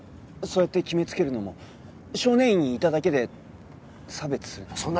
そうやって決めつけるのも少年院にいただけで差別するのも。